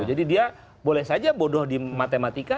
jadi dia boleh saja bodoh di matematika